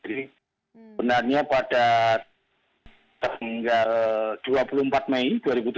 sebenarnya pada tanggal dua puluh empat mei dua ribu tujuh belas